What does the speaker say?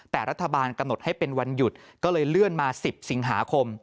แต่รัฐบาลกำหนดให้เป็นวันหยุดก็เลยเลื่อนมา๑๐สิงหาคม